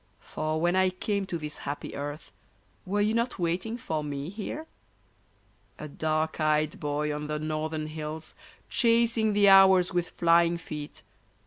For when I came to this happy earth Were you not waiting for me here ? A dark eyed boy on the northern hills, Chasing the hours with flying feet.